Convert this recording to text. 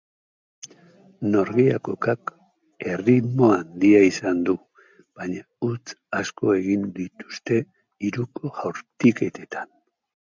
Norgehiagokak erritmo handia izan du baina huts asko egin dituzte hiruko jaurtiketetan.